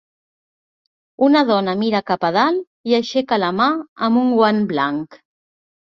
Una dona mira cap a dalt i aixeca la mà amb un guant blanc.